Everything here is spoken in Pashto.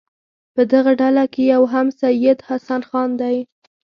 په دغه ډله کې یو هم سید حسن خان دی.